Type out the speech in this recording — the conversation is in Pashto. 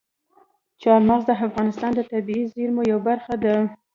چار مغز د افغانستان د طبیعي زیرمو یوه برخه ده.